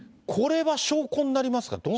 これは証拠になりますか？